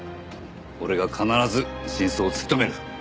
俺が必ず真相を突き止める。